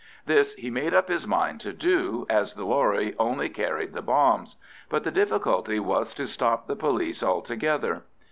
This he made up his mind to do, as the lorry only carried the bombs; but the difficulty was to stop the police altogether.